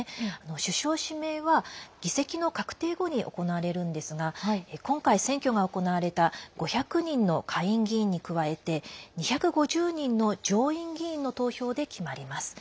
首相指名は議席の確定後に行われるんですが今回選挙が行われた５００人の下院議員に加えて２５０人の上院議員の投票で決まります。